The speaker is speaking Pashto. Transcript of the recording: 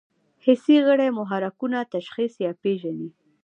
حسي غړي محرکونه تشخیص یا پېژني.